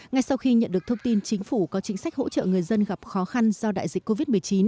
ngay sau khi nhận được thông tin chính phủ có chính sách hỗ trợ người dân gặp khó khăn do đại dịch covid một mươi chín